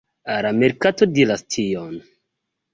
La merkato diras tion.